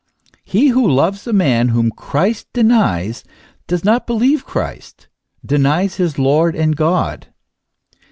He who loves the men whom Christ denies, does not believe Christ, denies his Lord and God.